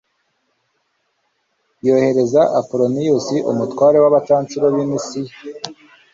yohereza apoloniyusi, umutware w'abacancuro b'i misiya